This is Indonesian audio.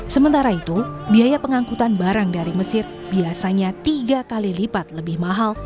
sementara itu biaya pengangkutan barang dari mesir biasanya tiga kali lipat lebih mahal